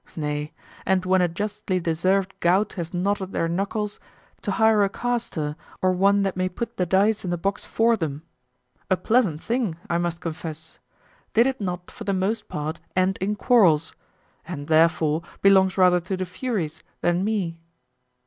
Nay, and when a justly deserved gout has knotted their knuckles, to hire a caster, or one that may put the dice in the box for them? A pleasant thing, I must confess, did it not for the most part end in quarrels, and therefore belongs rather to the Furies than me.